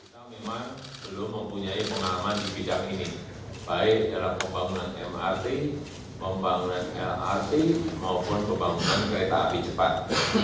kita memang belum mempunyai pengalaman di bidang ini baik dalam pembangunan mrt pembangunan lrt maupun pembangunan kereta api cepat